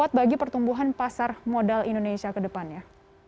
buat bagi pertumbuhan pasar modal indonesia ke depannya